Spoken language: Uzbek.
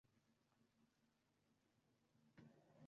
Kelganlarning ko'pini bilardi.